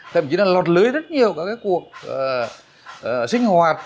thậm chí là lọt lưới rất nhiều các cái cuộc sinh hoạt